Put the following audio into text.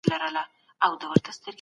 ښه ذهنیت هدف نه خرابوي.